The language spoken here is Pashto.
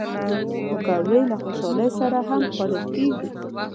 پکورې له خوشحالۍ سره هم خوړل کېږي